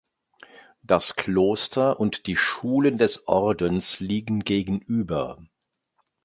Das Kloster und die Schulen des Ordens liegen gegenüber.